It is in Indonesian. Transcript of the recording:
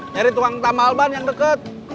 nyari tukang tambal ban yang deket